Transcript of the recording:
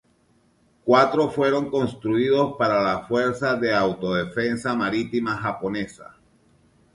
Cuatro fueron construidos para la Fuerza de Autodefensa Marítima Japonesa.